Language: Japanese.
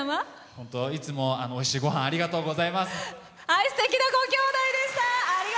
いつもおいしいごはんありがとうございます。